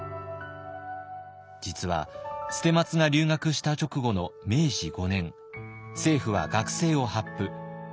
実は捨松が留学した直後の明治５年政府は学制を発布。